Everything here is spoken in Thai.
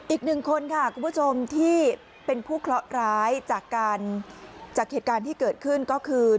อีกหนึ่งคนค่ะคุณผู้ชมที่เป็นผู้เคราะห์ร้ายจากการจากเหตุการณ์ที่เกิดขึ้นก็คือ